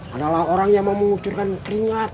adalah orang yang mau mengucurkan keringat